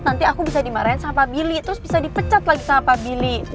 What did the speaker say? nanti aku bisa dimarahin sama billy terus bisa dipecat lagi sama pak billy